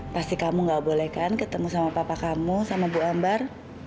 pasti kamu gak boleh kan ketemu sama papa kamu sama bu ambar